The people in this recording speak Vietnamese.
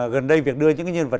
gần đây việc đưa những cái nhân vật